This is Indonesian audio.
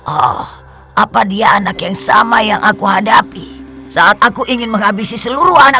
oh apa dia anak yang sama yang aku hadapi saat aku ingin menghabisi seluruh anak